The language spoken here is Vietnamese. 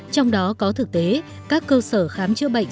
trong đó có thực tế các cơ sở khám chữa bệnh